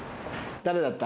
誰だった？